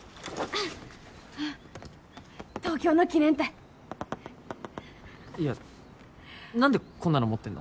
東京の記念たいいや何でこんなの持ってんの？